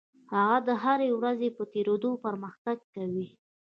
هغه د هرې ورځې په تېرېدو پرمختګ کوي.